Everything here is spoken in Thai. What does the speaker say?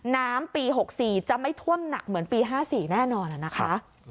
น้ำปี๖๔จะไม่ท่วมหนักเหมือนปี๕๔แน่นอนนะคะ